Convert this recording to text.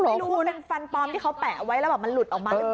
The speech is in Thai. ไม่รู้ว่าเป็นฟันปลอมที่เขาแปะเอาไว้แล้วแบบมันหลุดออกมาหรือเปล่า